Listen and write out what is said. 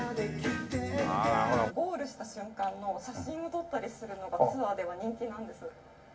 「ゴールした瞬間の写真を撮ったりするのがツアーでは人気なんです」